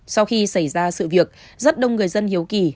sau khi xảy ra sự việc rất đông người dân hiếu kỳ